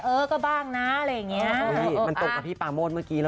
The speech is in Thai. เออก็บ้างนะอะไรอย่างเงี้ยมันตรงกับพี่ปาโมดเมื่อกี้ล่ะ